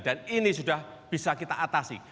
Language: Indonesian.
dan ini sudah bisa kita atasi